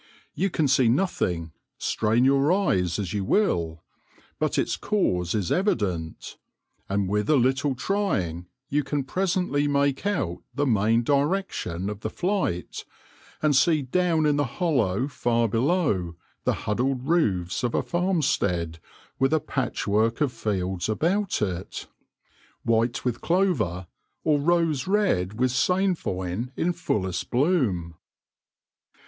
You can see nothing, strain your eyes as you will ; but its cause is evident, and with a little trying you can presently make out the main direction of the flight, and see down in the hollow far below, the huddled roofs of a farmstead with a patchwork of fields about it, white with clover, or rose red with sainfoin in fullest bloom.